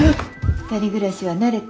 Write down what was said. ２人暮らしは慣れた？